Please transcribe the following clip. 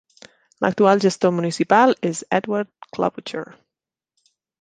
L'actual gestor municipal és Edward Klobucher.